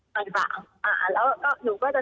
มันเปล่าแล้วก็หนูก็จะ